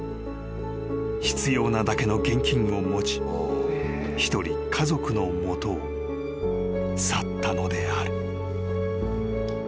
［必要なだけの現金を持ち一人家族の元を去ったのである］